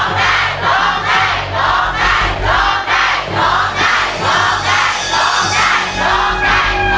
โรคได้โรคได้